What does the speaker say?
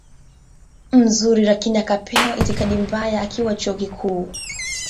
mzuri lakini akapewa itikadi mbaya akiwa chuo kikuu